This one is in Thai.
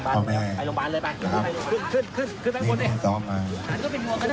ขอบคุณครับ